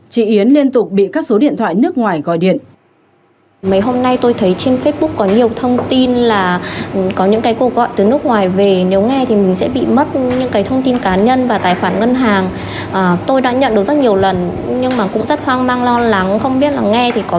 chị yến liên tục bị các số điện thoại nước ngoài gọi điện